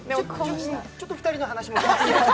ちょっと２人の話も。